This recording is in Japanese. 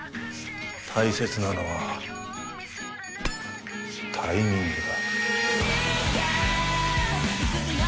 大切なのはタイミングだ。